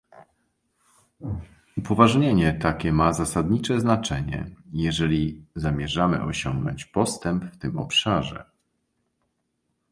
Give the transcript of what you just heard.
Upoważnienie takie ma zasadnicze znaczenie, jeżeli zamierzamy osiągnąć postęp w tym obszarze